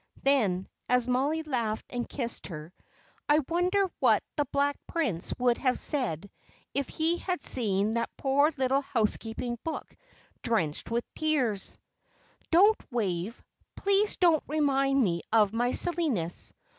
Then, as Mollie laughed and kissed her, "I wonder what the Black Prince would have said if he had seen that poor little housekeeping book, drenched with tears?" "Don't, Wave please don't remind me of my silliness.